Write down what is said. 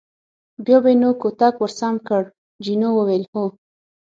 بیا به یې نو کوتک ور سم کړ، جینو وویل: هو.